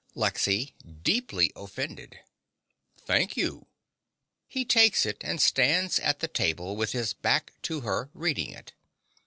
LEXY (deeply offended). Thank you. (He takes it and stands at the table with his back to her, reading it.